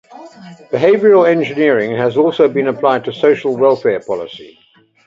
Behavioral engineering has also been applied to social welfare policy.